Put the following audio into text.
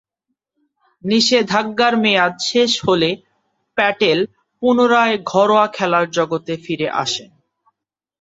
নিষেধাজ্ঞার মেয়াদ শেষ হলে প্যাটেল পুনরায় ঘরোয়া খেলার জগতে ফিরে আসেন।